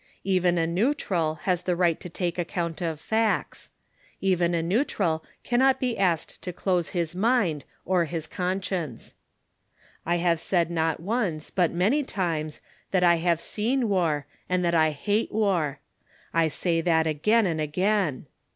Even a neutral has a right to take account of facts. Even a neutral cannot be asked to close his mind or his conscience. I have said not once but many times that I have seen war and that I hate war. I say that again and again.